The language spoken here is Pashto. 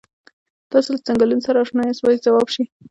تاسو له څنګلونو سره اشنا یاست باید ځواب شي.